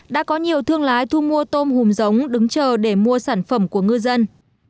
đã có nhiều thương lái thu mua tôm hùm giống đứng chờ để mua sản phẩm của ngư dân